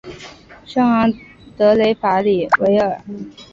圣昂德雷法里维莱尔。